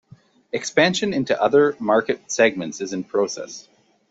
Expansion into other market segments is in process.